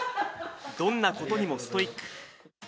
どんなことにもストイック。